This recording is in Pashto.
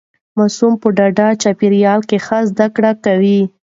ماسوم په ډاډه چاپیریال کې ښه زده کړه کوي.